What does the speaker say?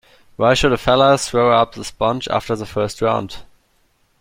Why should a fellow throw up the sponge after the first round.